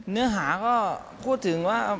เนื้อหาก็พูดถึงว่า